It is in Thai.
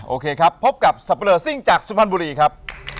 โอเคครับพบกับสับปะเลอร์ซิ่งจากสุพรรณบุรีครับ